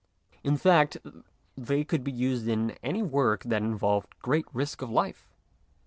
In fact, they could be used in any work that involved great risk to life.